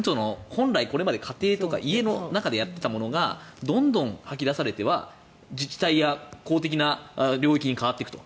本来、これまで家庭とか家の中でやっていたものがどんどん吐き出されては自治体や公的な領域に変わっていくと。